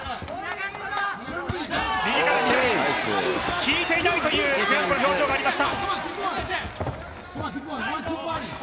効いていないというフランコの表情がありました。